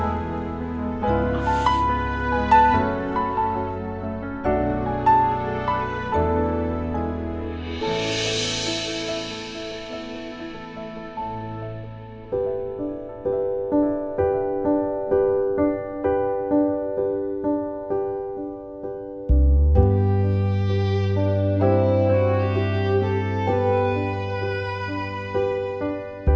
aku mau ke sana